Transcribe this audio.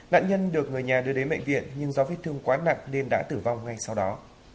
nạn nhân được người nhà đưa đến bệnh viện nhưng do vết thương quá nặng nên đã tử vong ngay sau đó